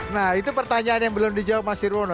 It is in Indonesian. nah itu pertanyaan yang belum dijawab mas irwono